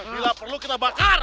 bila perlu kita bakar